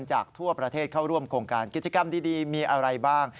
จากทั่วประเทศเข้าร่วมโครงการกิจกรรมดีมีอะไรบ้าง